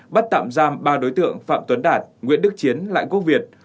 bắt tạm giam ba đối tượng phạm tuấn đạt nguyễn đức chiến lại quốc việt